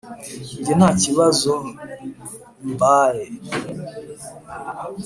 njye: ntakibazo bae!